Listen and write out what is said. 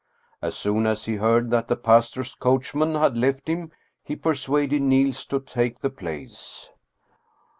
As soon as he heard that the pastor's coachman had left him, he persuaded Niels to take the place.